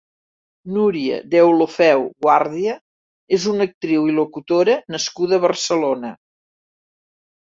Núria Deulofeu Guàrdia és una actriu i locutora nascuda a Barcelona.